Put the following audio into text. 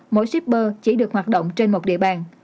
mỗi shipper chỉ được hoạt động trên một địa bàn